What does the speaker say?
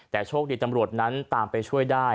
แต่โชคดีตำรวจนั้นตามไปช่วยได้